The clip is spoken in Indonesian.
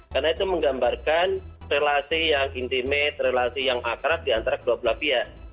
karena itu menggambarkan relasi yang intimate relasi yang akrab diantara kelompok pihak